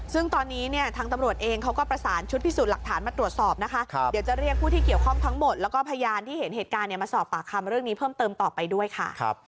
ซึ่งตอนนี้เนี่ยทางตำรวจเองเขาก็ประสานชุดพิสูจน์หลักฐานมาตรวจสอบนะคะเดี๋ยวจะเรียกผู้ที่เกี่ยวข้องทั้งหมดแล้วก็พยานที่เห็นเหตุการณ์มาสอบปากคำเรื่องนี้เพิ่มเติมต่อไปด้วยค่ะ